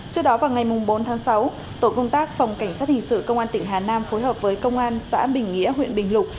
trước đó vào ngày bốn tháng sáu tổ công tác phòng cảnh sát hình sự công an tỉnh hà nam phối hợp với công an xã bình nghĩa huyện bình lục